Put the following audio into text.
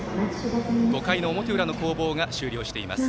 ５回の表裏の攻防が終了しています。